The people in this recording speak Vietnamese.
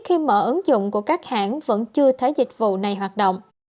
khi mở ứng dụng của các hãng vẫn chưa thấy dịch vụ này hoạt động